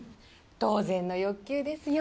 当然の欲求ですよ。